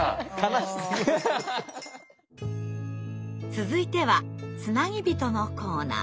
続いては「つなぎびと」のコーナー。